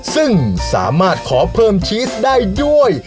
ซึ่งสามารถขอเพิ่มชีสได้ด้วย